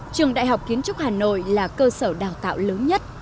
trường đại học kiến trúc hà nội là cơ sở đào tạo lớn nhất